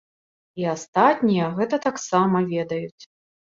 І астатнія гэта таксама ведаюць.